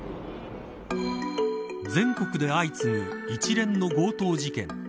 全国で相次ぐ一連の強盗事件。